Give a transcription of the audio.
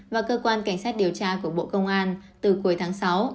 và cơ quan cảnh sát điều tra của bộ công an từ cuối tháng sáu